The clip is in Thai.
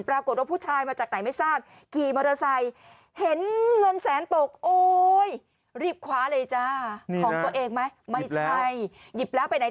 ปรากฏว่าผู้ชายมาจากไหนไม่ทราบ